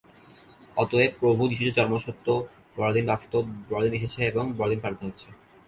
অতএব, প্রভু যিশুর জন্ম সত্য, বড়দিন বাস্তব, বড়দিন এসেছে এবং বড়দিন পালিত হচ্ছে।